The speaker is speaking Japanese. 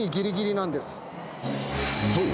［そう！